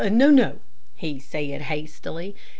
"No, no," he said, hastily.